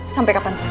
sampai kapan tiana